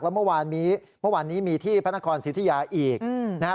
แล้วเมื่อวานนี้มีที่พระนครสิทธิยาอีกนะฮะ